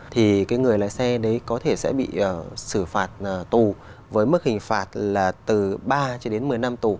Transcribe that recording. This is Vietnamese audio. thì cái người lái xe đấy có thể sẽ bị xử phạt tù với mức hình phạt là từ ba cho đến một mươi năm tù